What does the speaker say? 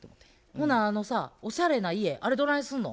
ほなあのさおしゃれな家あれどないすんの？